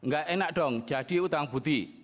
gak enak dong jadi utang putih